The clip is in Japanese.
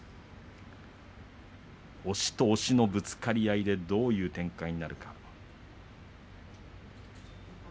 押しと押しのぶつかり合いどういう展開になるか。